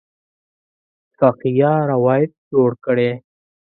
فقیه روایت جوړ کړی.